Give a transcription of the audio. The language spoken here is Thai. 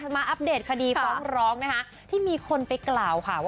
มาอัปเดตคดีฟ้องร้องนะคะที่มีคนไปกล่าวค่ะว่า